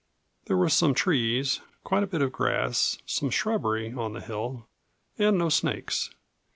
There were some trees, quite a bit of grass, some shrubbery, on the hill and no snakes.